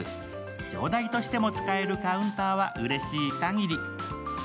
鏡台としても使えるカウンターはうれしい限り。